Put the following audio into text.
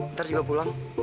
ntar juga pulang ya